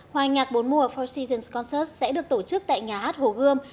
hoa nhạc bốn mùa four seasons concert sẽ được tổ chức tại nhà hát hồ gươm